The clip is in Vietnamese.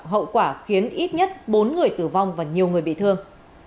hậu quả khiến ít nhất bốn người tử vong và nhiều người bị thương